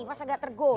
masa gak tergoda